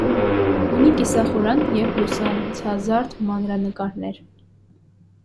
Ունի կիսախորան և լուսանցազարդ մանրանկարներ։